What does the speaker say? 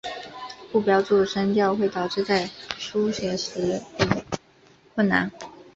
不标注声调会导致在书写时理困难。